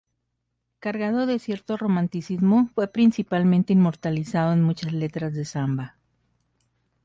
Cargado de cierto romanticismo, fue principalmente inmortalizado en muchas letras de samba.